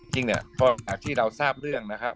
จริงเนี่ยก็จากที่เราทราบเรื่องนะครับ